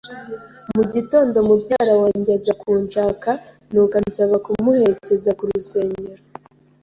Mu gitondo, mubyara wanjye aza kunshaka nuko ansaba kumuherekeza ku rusengero.